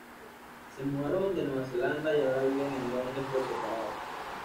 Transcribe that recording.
Se mudaron de Nueva Zelanda y ahora viven en Londres por separado.